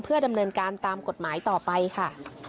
ดำเนินการตามกฎหมายต่อไปค่ะ